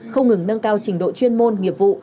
không ngừng nâng cao trình độ chuyên môn nghiệp vụ